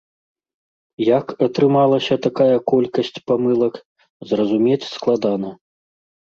Як атрымалася такая колькасць памылак, зразумець складана.